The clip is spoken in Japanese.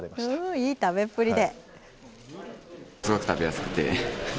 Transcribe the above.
いい食べっぷりで。